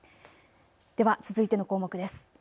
では続いての項目です。